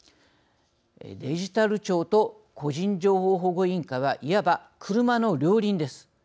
デジタル庁と個人情報保護委員会はいわば車の両輪です。